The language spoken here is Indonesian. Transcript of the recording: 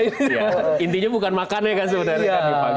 intinya bukan makan ya kan sebenarnya